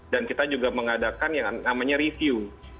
dan kita juga mengadakan yang namanya review